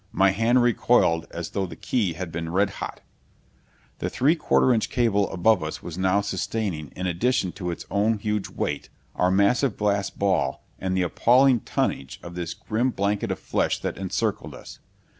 My hand recoiled as though the key had been red hot. The three quarter inch cable above us was now sustaining, in addition to its own huge weight, our massive glass ball and the appalling tonnage of this grim blanket of flesh that encircled us.